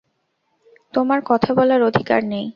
তোমার কথা বলার অধিকার নেই!